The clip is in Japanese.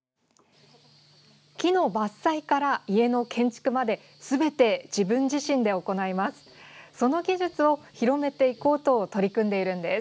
木の伐採から家の建築まですべて自分自身で行います。